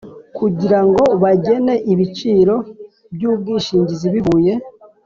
Kugirango bagene ibiciro by ubwishingizi bivuye